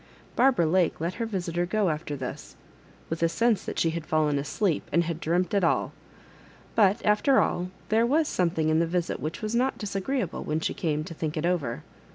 Barbara Lake let her visitor go^after this, with a sense that she had fallen asleep, and had dreamt it all ; but, after all, there was something in the visit which was not disagreeable when £e came to think it over.